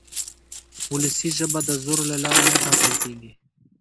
وولسي ژبه د زور له لارې نه ټاکل کېږي.